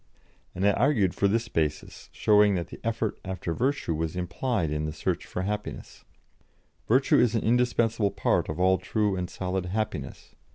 And I argued for this basis, showing that the effort after virtue was implied in the search for happiness: "Virtue is an indispensable part of all true and solid happiness....